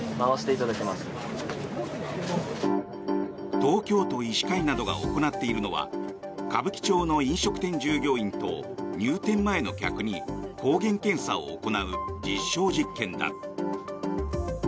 東京都医師会などが行っているのは歌舞伎町の飲食店従業員と入店前の客に抗原検査を行う実証実験だ。